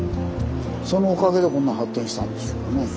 そのおかげでこんな発展したんでしょうからね。